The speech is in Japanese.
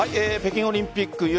北京オリンピック